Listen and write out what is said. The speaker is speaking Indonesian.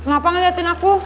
kenapa ngeliatin aku